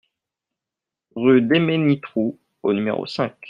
Rue Déménitroux au numéro cinq